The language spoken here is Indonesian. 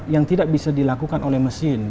yang tidak bisa dilakukan oleh mesin